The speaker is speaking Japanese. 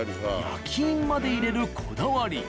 焼印まで入れるこだわり。